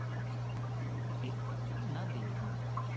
えなんでよぶの？